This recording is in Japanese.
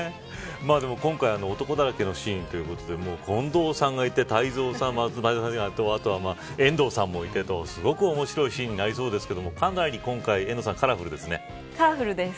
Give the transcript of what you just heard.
でも今回男だらけのシーンということで近藤さんがいて泰造さんがいてあとは遠藤さんもいてとすごく面白いシーンになりそうですけどかなり今回カラフルです。